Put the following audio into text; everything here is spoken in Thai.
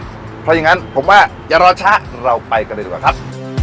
เพราะอย่างงั้นผมว่าอย่ารอชะเราไปกันดีกว่าครับ